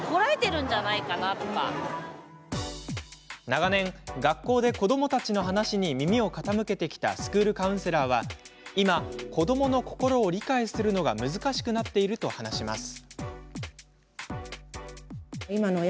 長年、学校で子どもたちの話に耳を傾けてきたスクールカウンセラーは今、子どもの心を理解するのが難しくなっていると話します。